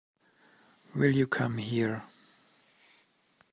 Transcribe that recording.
Will you come here?